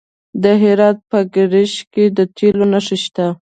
د هرات په کشک کې د تیلو نښې شته.